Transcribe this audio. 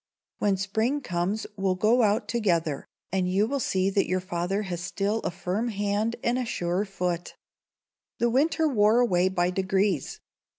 When spring comes we'll go out together, and you will see that your father has still a firm hand and a sure foot." The winter wore away by degrees.